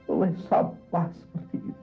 oleh sampah seperti itu